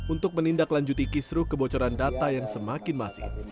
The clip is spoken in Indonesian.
untuk menindaklanjuti kisru kebocoran data yang semakin masif